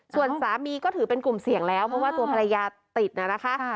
ส่วนสามีก็ถือเป็นกลุ่มเสี่ยงแล้วเพราะว่าตัวภรรยาติดนะคะ